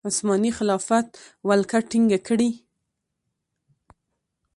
عثماني خلافت ولکه ټینګه کړي.